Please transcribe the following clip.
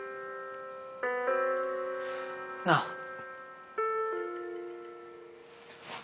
なあ？